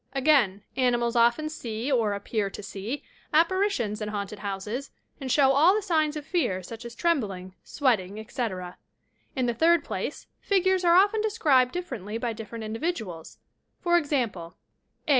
Again, animals often see, or appear to see, apparitions in haunted houses, and show all the signs of fear, such as trembling, sweating, etc. In the third place, figures are often described diflfer ently by different individuals. For example: A.